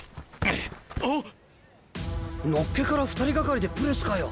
のっけから２人がかりでプレスかよ。